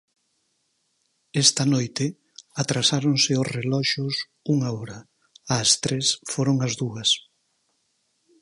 Esta noite atrasáronse os reloxos unha hora, ás tres foron as dúas